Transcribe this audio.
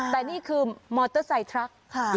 แต่นี่คือมอเตอร์ไซค์ทรัค